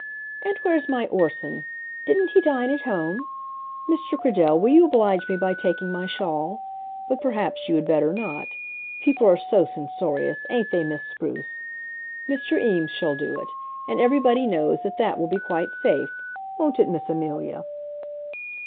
"And where's my Orson? Didn't he dine at home? Mr. Cradell, will you oblige me by taking my shawl? But perhaps you had better not. People are so censorious; ain't they, Miss Spruce? Mr. Eames shall do it; and everybody knows that that will be quite safe. Won't it, Miss Amelia?"